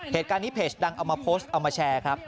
เหตุการณ์นี้เพจดังเอามาโพสต์เอามาแชร์ครับ